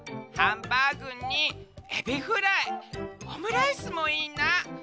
「ハンバーグにエビフライオムライスもいいな。